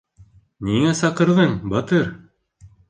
— Ниңә саҡырҙың, Батыр?